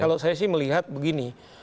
kalau saya sih melihat begini